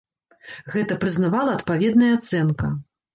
Гэта прызнавала адпаведная ацэнка.